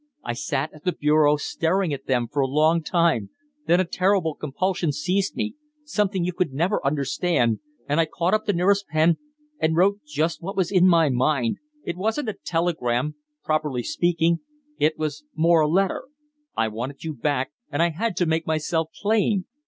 I sat at the bureau staring at them for a long time; then a terrible compulsion seized me something you could never understand and I caught up the nearest pen and wrote just what was in my mind. It wasn't a telegram, properly speaking it was more a letter. I wanted you back and I had to make myself plain.